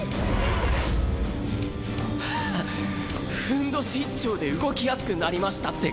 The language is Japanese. ふんどし一丁で動きやすくなりましたってか。